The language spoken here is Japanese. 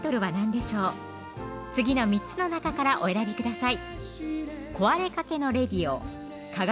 次の３つの中からお選びください